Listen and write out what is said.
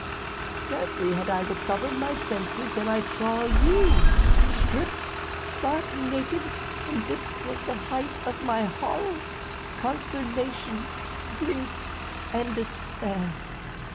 Scarcely had I recovered my senses than I saw you stripped, stark naked, and this was the height of my horror, consternation, grief, and despair.